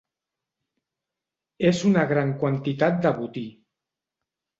És una gran quantitat de botí.